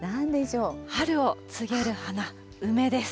春を告げる花、梅です。